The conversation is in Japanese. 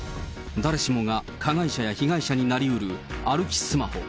誰しもが加害者や被害者になりうる歩きスマホ。